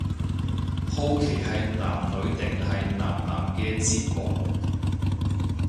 好奇係男女定係男男嘅節目